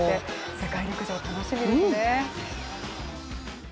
世界陸上、楽しみですね。